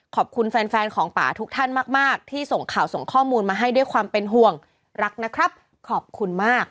ขอบคุณแฟนแฟนของป่าทุกท่านมากมากที่ส่งข่าวส่งข้อมูลมาให้ด้วยความเป็นห่วงรักนะครับขอบคุณมาก